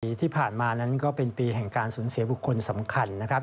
ปีที่ผ่านมานั้นก็เป็นปีแห่งการสูญเสียบุคคลสำคัญนะครับ